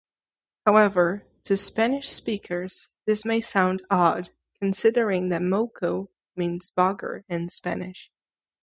However, to Spanish-speakers, this may sound odd, considering that "moco" means "booger" in Spanish.